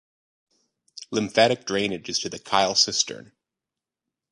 Lymphatic drainage is to the chyle cistern.